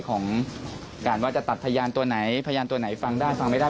ของการว่าจะตัดพยานตัวไหนพยานตัวไหนฟังได้ฟังไม่ได้